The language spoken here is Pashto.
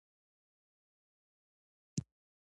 آب وهوا د افغانستان د چاپیریال د مدیریت لپاره مهم دي.